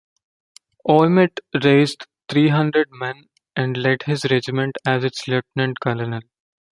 Ouimet raised three hundred men, and led his regiment as its Lieutenant-Colonel.